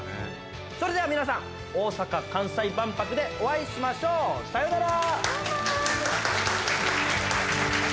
それでは皆さん大阪・関西万博でお会いしましょう。さよなら！